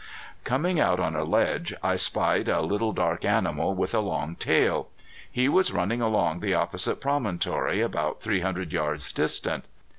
Coming out on a ledge I spied a little, dark animal with a long tail. He was running along the opposite promontory about three hundred yards distant.